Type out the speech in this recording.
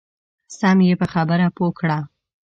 سم یې په خبره پوه کړه.